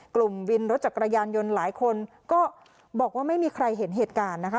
กลุ่มวินรถจักรยานยนต์หลายคนก็บอกว่าไม่มีใครเห็นเหตุการณ์นะคะ